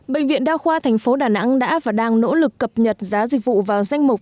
bệnh viện đa khoa thành phố đà nẵng đã và đang nỗ lực cập nhật giá dịch vụ vào danh mục